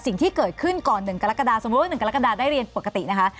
สิ่งที่เกิดขึ้นก่อน๑กรกฎาสมมุติว่า๑กรกฎาได้เรียนปกตินะคะ